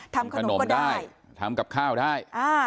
ทำขนมได้ทำกับข้าวได้